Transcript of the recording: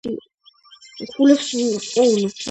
წვიმების სეზონი გრძელდება მაისიდან ოქტომბრამდე.